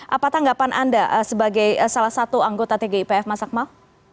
apa tanggapan anda sebagai salah satu anggota tgipf mas akmal